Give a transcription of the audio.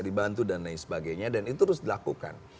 dibantu dan lain sebagainya dan itu harus dilakukan